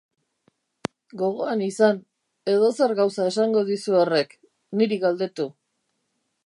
Gogoan izan, edozer gauza esango dizu horrek, niri galdetu.